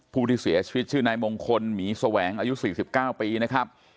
ผู้ที่เสียชีวิตชื่อนายมงคลหมีสวแหวงอายุสี่สิบเก้าปีนะครับ